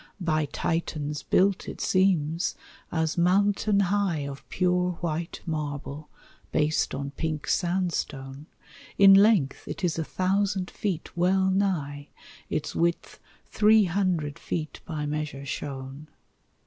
By Titans built, it seems, as mountain high Of pure white marble, based on pink sandstone; In length it is a thousand feet well nigh, Its width three hundred feet by measure shown.